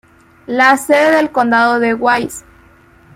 La sede del condado es Wise.